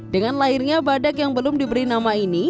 dengan lahirnya badak yang belum diberi nama ini